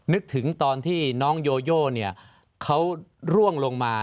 นึกถึงตอนที่น้องโยโยเขาร่วงลงมา